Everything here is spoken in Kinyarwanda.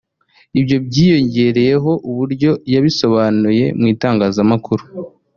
Ibyo byiyongereyeho uburyo yabisobanuye mu itangazamakuru